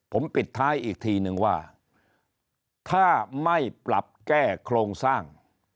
ผมปิดท้ายอีกทีนึงว่าถ้าไม่ปรับแก้โครงสร้าง